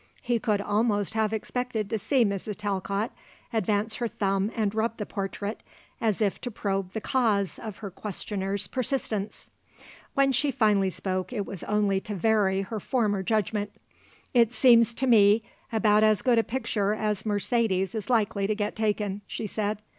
He could almost have expected to see Mrs. Talcott advance her thumb and rub the portrait, as if to probe the cause of her questioner's persistence. When she finally spoke it was only to vary her former judgment: "It seems to me about as good a picture as Mercedes is likely to get taken," she said.